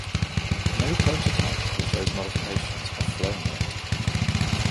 No prototype with those modifications have flown yet.